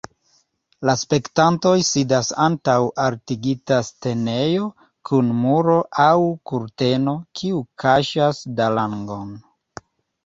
La spektantoj sidas antaŭ altigita scenejo kun muro aŭ kurteno, kiu kaŝas dalang-on.